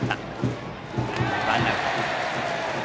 ワンアウト。